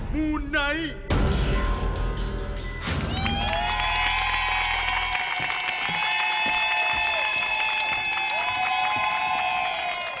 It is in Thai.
มูไนท์